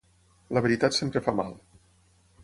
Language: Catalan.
La veritat sempre fa mal.